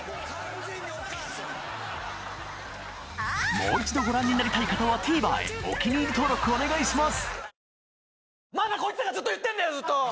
もう一度ご覧になりたい方はＴＶｅｒへお気に入り登録お願いします